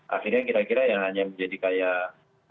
akhirnya kira kira yang hanya menjadi kayak